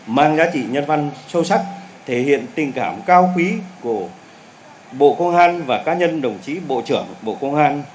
mang giá trị nhân văn sâu sắc thể hiện tình cảm cao quý của bộ công an và cá nhân đồng chí bộ trưởng bộ công an